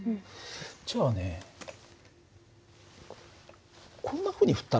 じゃあねこんなふうに振ったら？